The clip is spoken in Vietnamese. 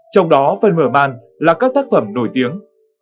trong đó phần mở màn là các tác phẩm nổi tiếng